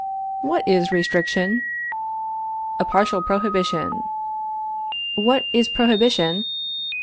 What is restriction? A partial prohibition. What is prohibition?